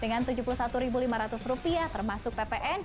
dengan rp tujuh puluh satu lima ratus termasuk ppn